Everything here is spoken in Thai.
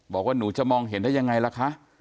บอกว่าหนูจะมองเห็นได้ยังไงล่ะคะ